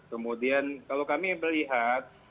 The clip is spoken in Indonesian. kemudian kalau kami melihat